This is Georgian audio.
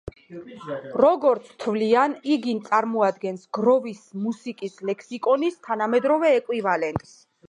როგორც თვლიან, იგი წარმოადგენს „გროვის მუსიკის ლექსიკონის თანამედროვე ეკვივალენტს“.